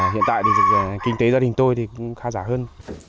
hiện tại thì kinh tế gia đình tôi thì cũng khá giả hơn